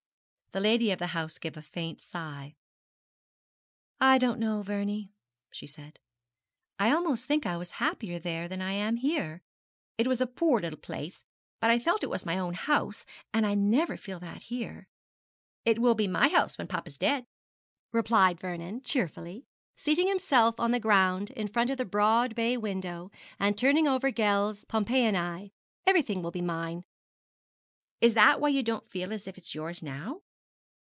The lady of the house gave a faint sigh. 'I don't know, Vernie,' she said. 'I almost think I was happier there than I am here. It was a poor little place, but I felt it was my own house, and I never feel that here.' 'It will be my house when papa's dead,' replied Vernon, cheerfully, seating himself on the ground in front of the broad bay window and turning over Gell's 'Pompeiiana'; 'everything will be mine. Is that why you don't feel as if it was yours now?'